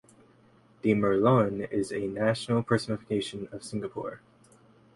The Merlion is the national personification of Singapore.